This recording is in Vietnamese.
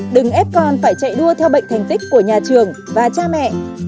đừng ép con phải chạy đua theo bệnh thành tích của nhà trường và cha mẹ